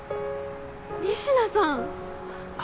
仁科さん！